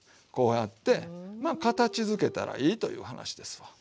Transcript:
まあ形づけたらいいという話ですわ。